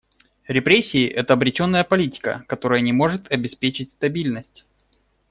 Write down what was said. Репрессии — это обреченная политика, которая не может обеспечить стабильность.